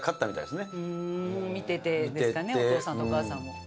見ててですかねお父さんとお母さんを。